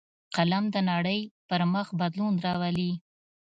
قلم د نړۍ پر مخ بدلون راولي